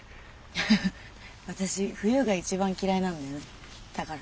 フフフ私冬が一番嫌いなんだよねだから。